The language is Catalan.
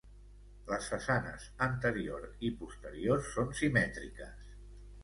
Les façanes anterior i posterior són simètriques.